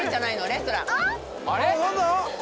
レストラン。